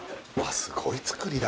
すごいつくりだ